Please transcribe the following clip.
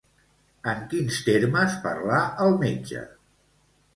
En quins termes parlà el metge?